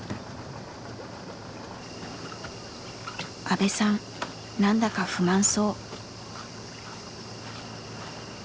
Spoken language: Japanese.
阿部さん何だか不満そう。